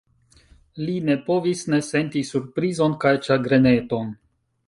Li ne povis ne senti surprizon kaj ĉagreneton.